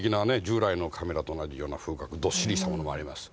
従来のカメラと同じような風格どっしりしたものもあります。